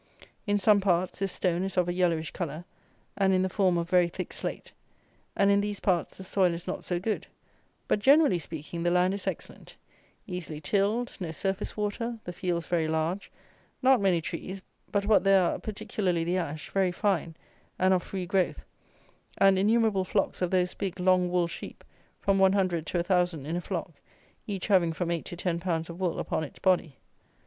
In some parts this stone is of a yellowish colour, and in the form of very thick slate; and in these parts the soil is not so good; but, generally speaking, the land is excellent; easily tilled; no surface water; the fields very large; not many trees; but what there are, particularly the ash, very fine, and of free growth; and innumerable flocks of those big, long woolled sheep, from one hundred to a thousand in a flock, each having from eight to ten pounds of wool upon its body.